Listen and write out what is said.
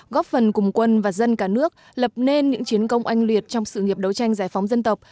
góp phần cùng quân và dân cả nước lập nên những chiến công oanh liệt trong sự nghiệp đấu tranh giải phóng dân tộc